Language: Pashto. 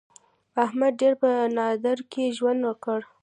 احمد ډېر په نادارۍ کې ژوند وکړ.